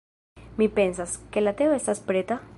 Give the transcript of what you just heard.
Mi pensas, ke la teo estas preta?